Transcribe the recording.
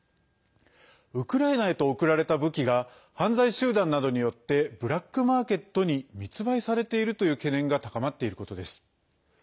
ウクライナへと送られた武器が犯罪集団などによってブラックマーケットに密売されているという懸念が高まっていることです。